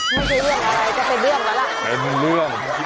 ไม่ใช่เรื่องอะไรจะเป็นเรื่องแล้วล่ะ